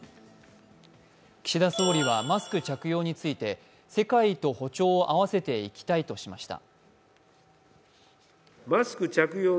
岸田総理はマスク着用について世界と歩調を合わせていきたいとしました。